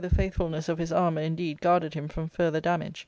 —Book III, faithfulness of his armour indeed guarded him from further damage.